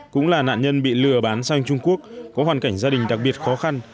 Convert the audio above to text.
cũng là nạn nhân bị lừa bán sang trung quốc có hoàn cảnh gia đình đặc biệt khó khăn